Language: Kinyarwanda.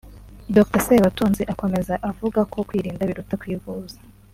Dr Sebatunzi akomeza avuga ko kwirinda biruta kwivuza